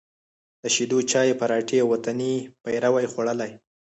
د شېدو چای، پراټې او وطني پېروی خوړلی،